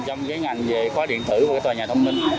trong cái ngành về khóa điện thử của tòa nhà thông minh